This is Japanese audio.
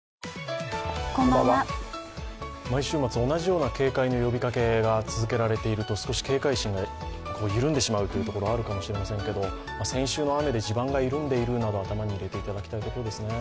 毎週末、同じような警戒の呼びかけが続けられていると、少し警戒心が緩んでしまうというところがあるかもしれませんが先週の雨で地盤が緩んでいるなど頭に入れておいていただきたいところですね。